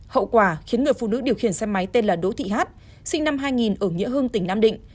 hậu quả khiến người phụ nữ điều khiển xe máy tên là đỗ thị hát sinh năm hai nghìn ở nghĩa hưng tỉnh nam định